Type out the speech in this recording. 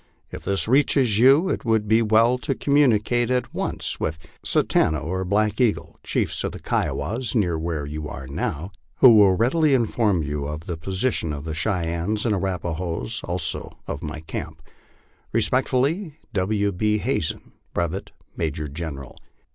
If this reaches you, it would be well to communicate at once with Satanta or Black Eagle, chiefs of the Kiowas, near where yon now are, who will readily inform you of the position of the Cheyennes and Arrapahoes, also of my camp. Respectfully, (Signed) W. B. HAZEN, Brevet Major General.